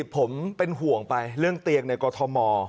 ผมเป็นห่วงไปเรื่องเตียงในกรทม